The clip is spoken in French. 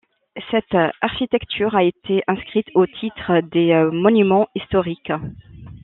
Cette architecture a été inscrite le au titre des monuments historiques..